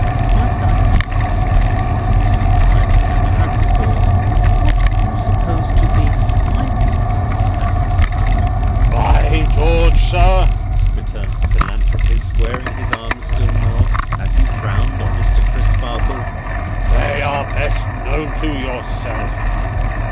"Might I ask you," pursued the Minor Canon as before: "what you suppose to be my views on that subject?" "By George, sir!" returned the Philanthropist, squaring his arms still more, as he frowned on Mr. Crisparkle: "they are best known to yourself."